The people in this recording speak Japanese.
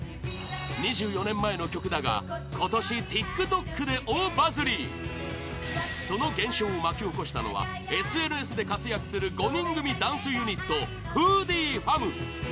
２４年前の曲だが今年、ＴｉｋＴｏｋで大バズりその現象を巻き起こしたのはＳＮＳで活躍する５人組ダンスユニットＨｏｏｄｉｅｆａｍ